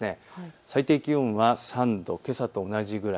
最低気温は３度、けさと同じくらい。